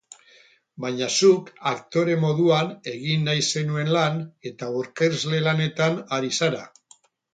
Baina zuk aktore moduan egin nahi zenuen lan eta aurkezle lanetan ari zara.